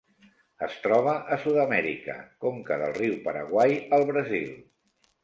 Es troba a Sud-amèrica: conca del riu Paraguai al Brasil.